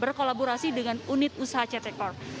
berkolaborasi dengan unit usaha ct corp